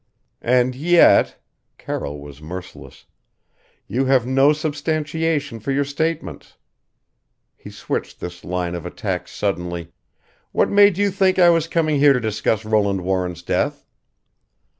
"And yet " Carroll was merciless " you have no substantiation for your statements." He switched his line of attack suddenly: "What made you think I was coming here to discuss Roland Warren's death?"